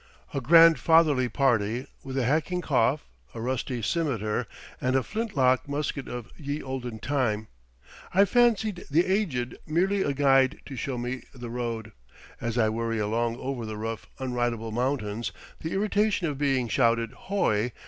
A grandfatherly party, with a hacking cough, a rusty cimeter, and a flint lock musket of "ye olden tyme," I fancied "The Aged" merely a guide to show me the road. As I worry along over the rough, unridable mountains, the irritation of being shouted "hoi!"